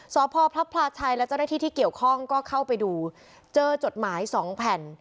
สพพระพลาชัยและเจ้าหน้าที่ที่เกี่ยวข้องก็เข้าไปดูเจอจดหมายสองแผ่น